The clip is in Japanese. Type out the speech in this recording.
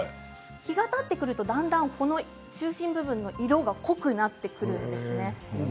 日がたってくるとだんだん中心部分の色が濃くなってくるんです。